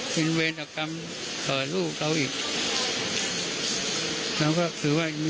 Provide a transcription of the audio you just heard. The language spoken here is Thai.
เป็นเวรของลูกเขาอีก